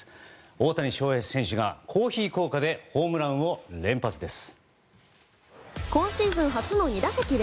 大谷翔平選手が、コーヒー効果でホームランを連発です。